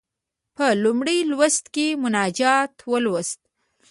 په لومړي لوست کې مناجات ولوست.